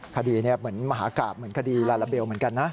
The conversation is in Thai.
คดีนี้เหมือนมหากราบเหมือนคดีลาลาเบลเหมือนกันนะ